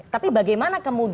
tapi bagaimana kemudian